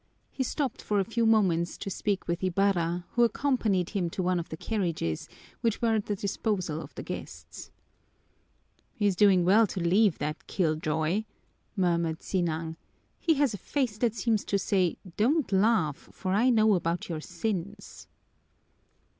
He stopped for a few moments to speak with Ibarra, who accompanied him to one of the carriages, which were at the disposal of the guests. "He's doing well to leave, that kill joy," murmured Sinang. "He has a face that seems to say, 'Don't laugh, for I know about your sins!'"